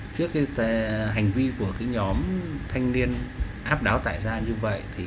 trước cái hành vi của nhóm thanh niên áp đáo tại ra như thế